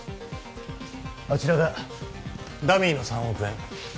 あちらがダミーの３億円